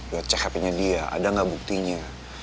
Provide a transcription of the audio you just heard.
lihat cek handphonenya dia ada gak buktinya